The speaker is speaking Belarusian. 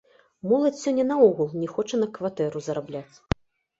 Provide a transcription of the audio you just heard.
Моладзь сёння наогул не хоча на кватэру зарабляць.